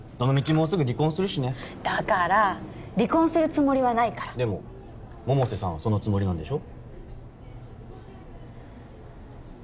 もうすぐ離婚するしねだから離婚するつもりはないからでも百瀬さんはそのつもりなんでしょ？